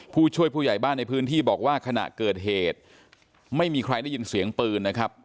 ผู้ช่วยผู้ใหญ่บ้านในพื้นที่บอกว่าขณะเกิดเหตุไม่มีใครได้ยินเสียงปืนนะครับ